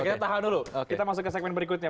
kita tahan dulu kita masuk ke segmen berikutnya